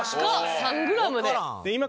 ３ｇで。